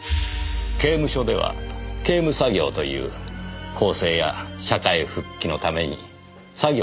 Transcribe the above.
刑務所では刑務作業という更生や社会復帰のために作業が与えられます。